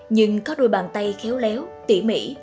nhưng có đôi bàn tay khéo léo tỉ mỉ